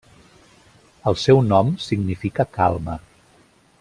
El seu nom significa 'calma'.